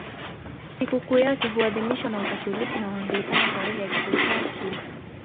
Sikukuu yake huadhimishwa na Wakatoliki na Waanglikana tarehe ya kifo chake.